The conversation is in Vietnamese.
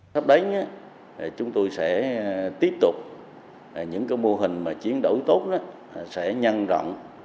sắp đến chúng tôi sẽ tiếp tục những mô hình mà chiến đấu tốt sẽ nhân rộng